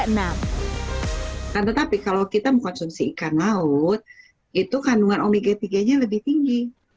karena tetapi kalau kita mengkonsumsi ikan laut itu kandungan omega tiga nya lebih tinggi